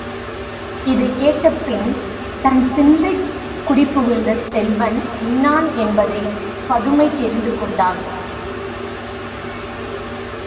இதைக் கேட்டபின் தன் சிந்தை குடி புகுந்த செல்வன் இன்னான் என்பதைப் பதுமை தெரிந்து கொண்டாள்.